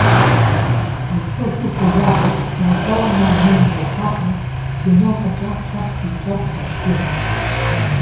Això suposava saltar el manament del papa de no atacar cap ciutat cristiana.